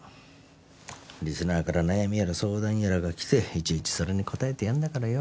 リスナーから悩みやら相談やらが来ていちいちそれに答えてやるんだからよ。